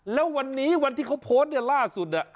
แล้ววันนี้วันที่เขาโพสต์เนี่ยล่าสุดเนี่ย